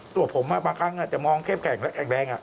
ตัวผมมาครั้งจะมองเข้บแข็งแบง